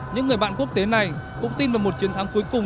những người bạn quốc tế này cũng tin vào một chiến thắng cuối cùng